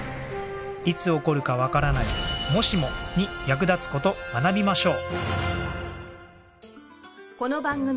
いつ起こるかわからない「もしも」に役立つ事学びましょう。